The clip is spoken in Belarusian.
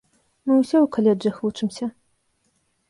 Мы ўсе ў каледжах вучымся.